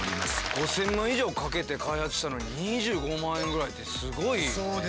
５，０００万以上かけて開発したのに２５万円ぐらいてすごい安く。